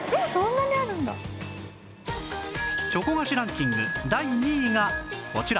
チョコ菓子ランキング第２位がこちら